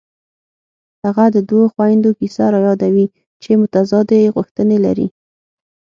هغه د دوو خویندو کیسه رایادوي چې متضادې غوښتنې لري